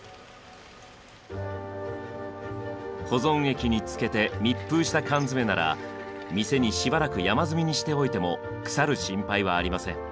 保存液につけて密封した缶詰なら店にしばらく山積みにしておいても腐る心配はありません。